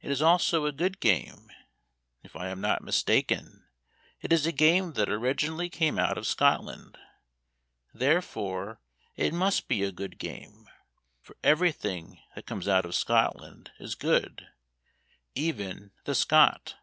It is also a good game. If I am not mistaken, It is a game that originally came out of Scotland; Therefore it must be a good game. For everything that comes out of Scotland is good, Even the Scot.